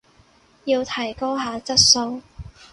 要提高下質素